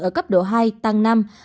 ở cấp độ hai tăng năm